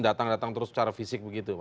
datang datang terus secara fisik begitu pak